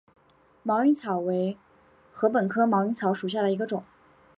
毛颖草为禾本科毛颖草属下的一个种。